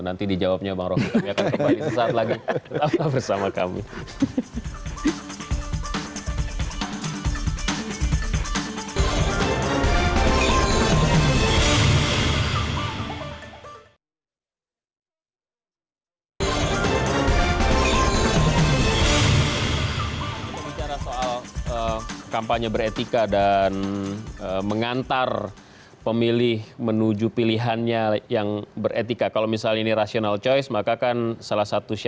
nanti dijawabnya bang roky kami akan kembali sesaat lagi